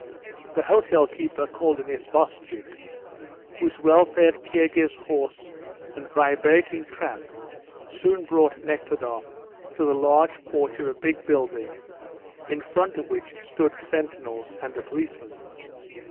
The hotel keeper called an isvostchik, whose well fed Kirghiz horse and vibrating trap soon brought Nekhludoff to the large porch of a big building, in front of which stood sentinels and a policeman.